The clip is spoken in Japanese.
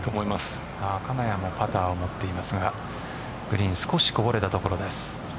金谷もパターを持っていますがグリーン少しこぼれたところです。